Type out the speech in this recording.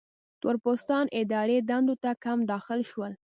تور پوستان اداري دندو ته کم داخل شول.